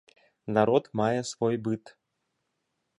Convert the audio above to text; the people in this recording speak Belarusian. Народ мае свой быт.